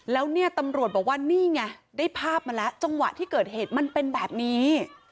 แล้วเนี่ยตำรวจบอกว่านี่ไงได้ภาพมาแล้วจังหวะที่เกิดเหตุมันเป็นแบบนี้